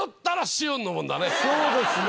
そうですね。